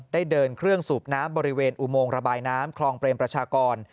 ได้เดินเครื่องสูบน้ำบริเวณอุโมงระบายน้ำคลองเปรมประชากร